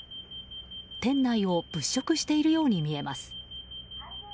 店内を物色しているように見えます。